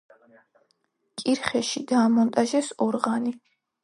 კირხეში დაამონტაჟეს ორღანი.